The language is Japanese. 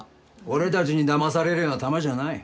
俺たちにだまされるようなタマじゃない。